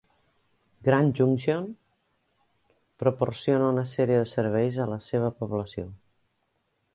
Grand Junction proporciona una sèrie de serveis a la seva població.